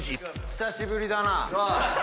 久しぶりだな。